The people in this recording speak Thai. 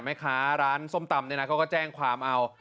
แม่ค้าร้านส้มตำเนี่ยนะเขาก็แจ้งความเอา